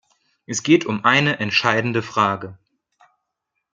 Es geht um eine entscheidende Frage.